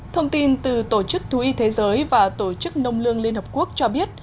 thông tin từ tổ chức thú y thế giới và tổ chức nông lương liên hợp quốc cho biết